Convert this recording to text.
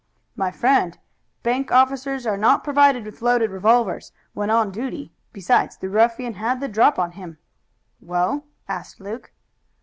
"My friend, bank officers are not provided with loaded revolvers when on duty. Besides, the ruffian had the drop on him." "Well?" asked Luke.